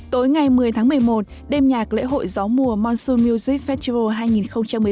tối ngày một mươi tháng một mươi một đêm nhạc lễ hội gió mùa moonsun music festival hai nghìn một mươi bảy